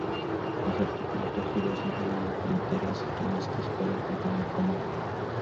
Los artículos tejidos incluían esteras y canastas para contener comida.